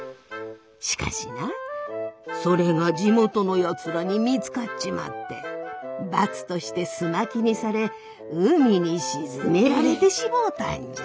しかしなそれが地元のやつらに見つかっちまって罰としてす巻きにされ海に沈められてしもうたんじゃ。